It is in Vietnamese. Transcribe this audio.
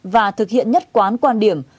và thực hiện nhất quán quan điểm